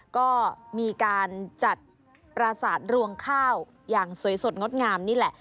ก็มีการจัดปราสาทรวงข้าวอย่างสวยสดงดงามนี่แหละ